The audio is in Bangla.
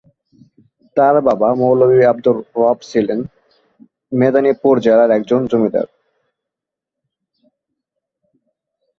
তার বাবা মৌলভি আবদুর রব ছিলেন মেদিনীপুর জেলার একজন জমিদার।